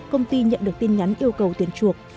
công ty nhận được tin nhắn yêu cầu tiền chuộc